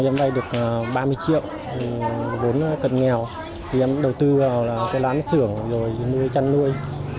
cho em vay được ba mươi triệu vốn cận nghèo em đầu tư vào cái lán xưởng rồi nuôi chăn nuôi